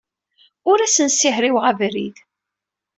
Ur asent-ssihriweɣ abrid.